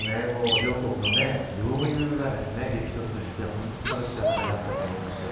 両国の両雄が激突して、本当に素晴らしい戦いだったと思います。